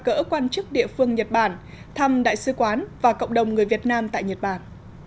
cỡ quan chức địa phương nhật bản thăm đại sứ quán và cộng đồng người việt nam tại nhật bản